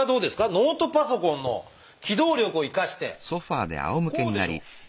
ノートパソコンの機動力を生かしてこうでしょ？